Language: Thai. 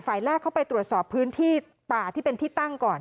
แรกเข้าไปตรวจสอบพื้นที่ป่าที่เป็นที่ตั้งก่อน